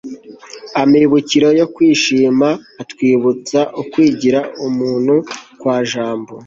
amibukiro yo kwishima atwibutsa ukwigira umuntu kwa jambo